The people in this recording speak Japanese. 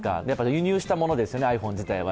輸入したものですよね、ｉＰｈｏｎｅ自体は。